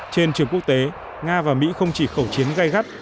trên trường quốc tế nga và mỹ không chỉ khẩu chiến gai gắt